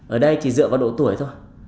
ở đây chỉ dựa vào độ tuổi thôi